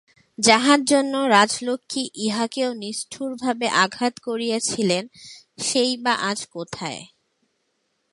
যাহার জন্য রাজলক্ষ্মী ইঁহাকেও নিষ্ঠুরভাবে আঘাত করিয়াছিলেন, সেই বা আজ কোথায়!